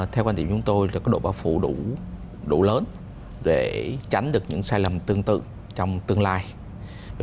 theo quan điểm chúng tôi là có độ bảo phủ đủ lớn để tránh được những sai lầm tương tự trong tương lai